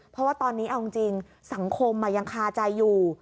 เพราะว่าตอนนี้เอาจริงสังคมยังคาใจอยู่